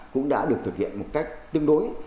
cũng đã được thực hiện một cách tương đối